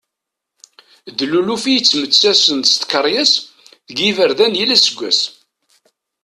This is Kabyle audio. D luluf i yettmettaten s tkeryas deg yiberdan yal aseggas.